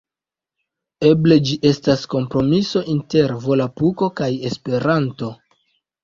Eble ĝi estas kompromiso inter volapuko kaj Esperanto.